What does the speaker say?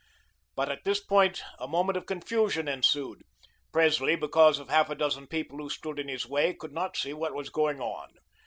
But at this point a moment of confusion ensued. Presley, because of half a dozen people who stood in his way, could not see what was going on.